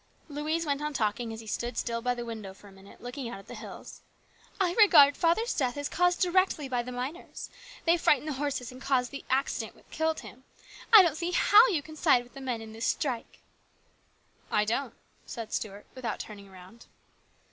Louise went on talking while he stood still by the window for a minute looking out at the hills. " I regard father's death as caused directly by the miners. They frightened the horses and caused the accident that killed him. I don't see how you can side with the men in this strike." " I don't," said Stuart, without turning round.